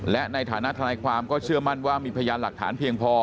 และในฐานะทนายความก็เชื่อมั่นว่ามีพยานหลักฐานเพียงพอ